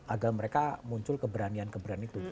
agar mereka muncul keberanian keberanian itu